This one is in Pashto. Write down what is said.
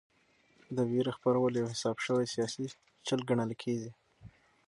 د وېرې خپرول یو حساب شوی سیاسي چل ګڼل کېږي.